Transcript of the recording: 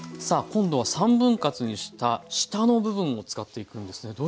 さあ今度は３分割にした下の部分を使っていくんですね。